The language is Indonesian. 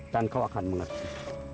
dan kau akan mengerti